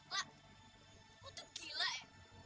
lah lo tuh gila ya